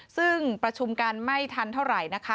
ซึ่งประชุมกันไม่ทันเท่าไหร่นะคะ